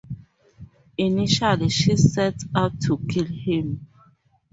Initially, she sets out to kill him.